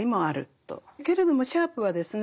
けれどもシャープはですね